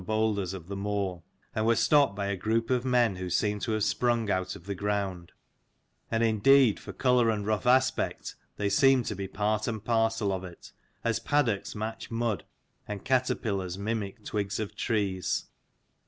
boulders of the moor, and were stopped by a group of [men who seemed to have sprung out of the ground; and indeed for colour and rough aspect they seemed to be part and parcel of it, as paddocks match mud and caterpillars mimic twigs of trees.